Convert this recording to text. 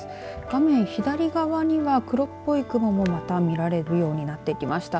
画面左側には黒っぽい雲もまた見られるようになってきました。